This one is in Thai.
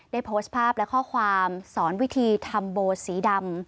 โพสต์ภาพและข้อความสอนวิธีทำโบสีดำ